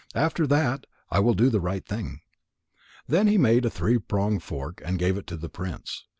After that I will do the right thing." Then he made a three pronged fork and gave it to the prince.